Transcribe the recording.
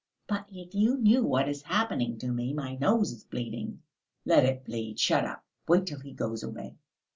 "But if you knew what is happening to me. My nose is bleeding." "Let it bleed. Shut up. Wait till he goes away."